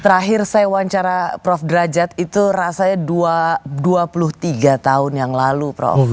terakhir saya wawancara prof derajat itu rasanya dua puluh tiga tahun yang lalu prof